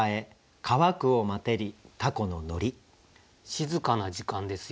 静かな時間ですよね。